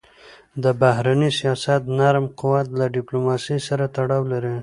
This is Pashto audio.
د بهرني سیاست نرم قوت له ډیپلوماسی سره تړاو لري.